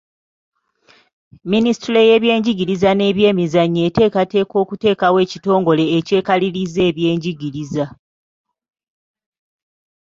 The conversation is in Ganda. Minisitule y'ebyenjigiriza n'ebyemizannyo eteekateeka okuteekawo ekitongole ekyekaliriza ebyenjigiriza.